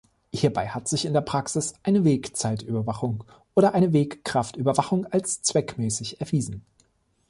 Hierbei hat sich in der Praxis eine Weg-Zeit-Überwachung oder eine Weg-Kraft-Überwachung als zweckmäßig erwiesen.